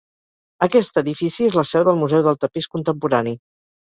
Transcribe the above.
Aquest edifici és la seu del Museu del Tapís Contemporani.